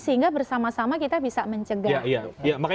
sehingga bersama sama kita bisa mencegah